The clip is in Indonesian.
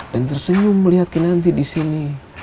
dan tersenyum melihat kinanti di sini